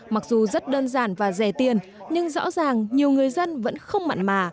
mặc dù rất đơn giản và rẻ tiền nhưng rõ ràng nhiều người dân vẫn không mặn mà